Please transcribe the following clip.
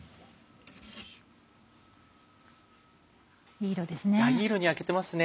いい色ですね。